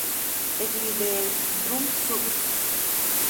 Epidendrum subg.